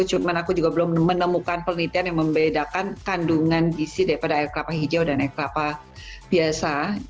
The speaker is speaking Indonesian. cuma aku juga belum menemukan penelitian yang membedakan kandungan gizi daripada air kelapa hijau dan air kelapa biasa